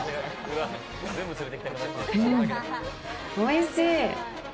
おいしい！